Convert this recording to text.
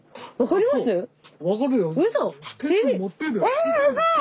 えうそ！